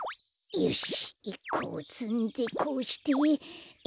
よし！